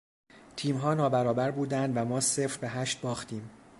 تیمها نابرابر بودند و ما صفر به هشت باختیم.